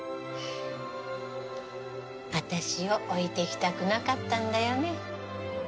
私を置いていきたくなかったんだよね。